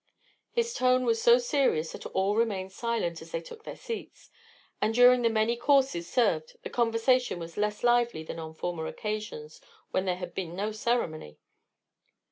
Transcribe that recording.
His tone was so serious that all remained silent as they took their seats, and during the many courses served the conversation was less lively than on former occasions when there had been no ceremony.